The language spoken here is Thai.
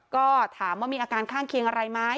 ก็ถามว่ามีอาการข้างเคียงอะไรไหม